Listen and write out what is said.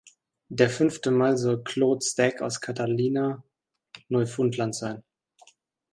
Der fünfte Mann soll Claude Stagg aus Catalina, Neufundland sein.